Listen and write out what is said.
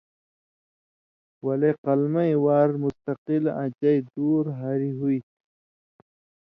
ولے قلمَیں وار مُستقل آں چئ دُور ہاریۡ ہُوئ تھی۔